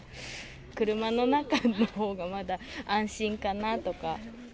車の中のほうが、まだ安心かなとか。